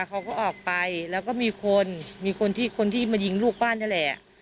เขาก็ออกไปแล้วก็มีคนมีคนที่คนที่มายิงลูกบ้านนี่แหละ